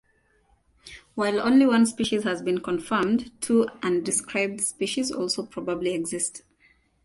While only one species has been confirmed, two undescribed species also probably exist.